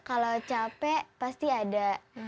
kalau capek pasti ada